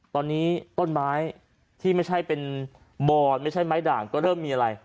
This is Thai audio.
ตอนนี้ต้นไม้ที่ไม่ใช่เป็นบอนไม่ใช่ไม้ด่างก็เริ่มมีอะไร